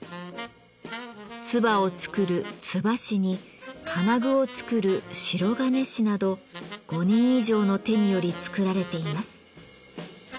鍔を作る「鍔師」に金具を作る「白銀師」など５人以上の手により作られています。